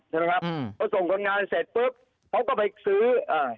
ใช่ไหมครับอืมพอส่งคนงานเสร็จปุ๊บเขาก็ไปซื้ออ่า